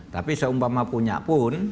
tapi seumpama punya pun